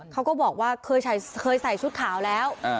เขาก็บอกว่าเคยใส่ชุดขาวแล้ว